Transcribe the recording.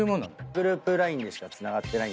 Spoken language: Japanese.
グループＬＩＮＥでしかつながってない。